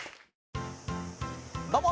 どうも！